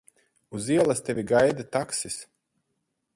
Uz ielas tevi gaida taksis.